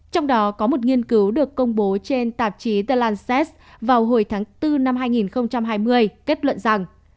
trong đó có một nghiên cứu được công bố trên tạp chí thellances vào hồi tháng bốn năm hai nghìn hai mươi kết luận rằng